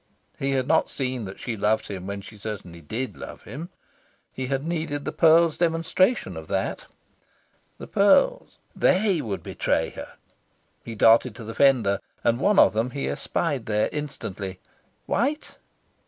He had not seen that she loved him when she certainly did love him. He had needed the pearls' demonstration of that. The pearls! THEY would betray her. He darted to the fender, and one of them he espied there instantly white?